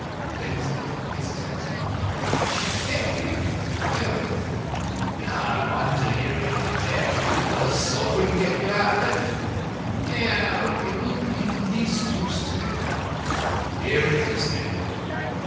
Denzil hesitated. "An epic poem." "No wonder you're in debt. Will a sovereign get you out of it?" "No; it wouldn't be the least use to me." "Here it is, then."